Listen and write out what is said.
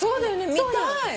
見たい！